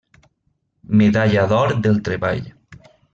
Medalla d'or del Treball.